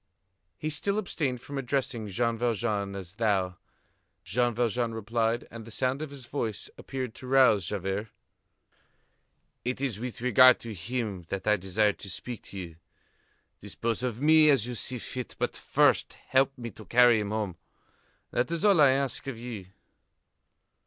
He still abstained from addressing Jean Valjean as thou. Jean Valjean replied, and the sound of his voice appeared to rouse Javert: "It is with regard to him that I desire to speak to you. Dispose of me as you see fit; but first help me to carry him home. That is all that I ask of you."